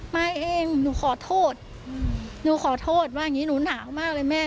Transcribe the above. มาเองหนูขอโทษหนูขอโทษว่าอย่างนี้หนูหนาวมากเลยแม่